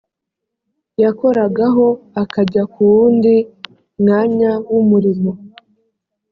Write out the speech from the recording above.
yakoragaho akajya ku wundi mwanya w umurimo